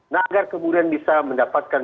nah agar kemudian bisa mendapatkan